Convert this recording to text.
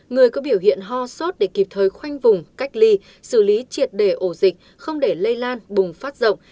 người có biểu hiện ho sốt để kịp thời khoanh vùng cách ly xử lý triệt đề ổ dịch không để lây lan bùng phát rộng